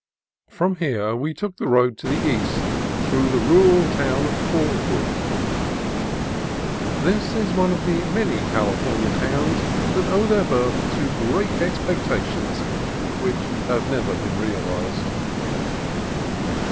From here we took the road to the east through the rural town of Fallbrook. This is one of the many California towns that owe their birth to great ex pectations which have never been realized.